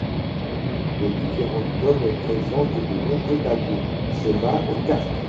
Les différents tomes présentent de nombreux tableaux, schémas et cartes.